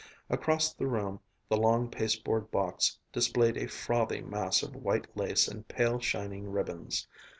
Across the room the long pasteboard box displayed a frothy mass of white lace and pale shining ribbons.